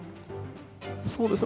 そうですね。